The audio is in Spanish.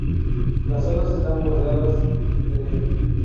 Las alas están bordeadas de negro.